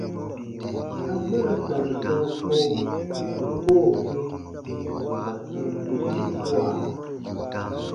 Amɔna tɔnu sanko u koo kpĩ ù ka tɔnu bwisi kua?